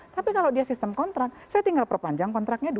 tapi kalau dia sistem kontrak saya tinggal perpanjang kontraknya